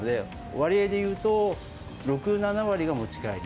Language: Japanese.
割合でいうと、６、７割が持ち帰り。